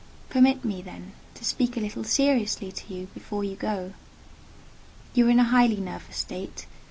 "Permit me, then, to speak a little seriously to you before you go. You are in a highly nervous state.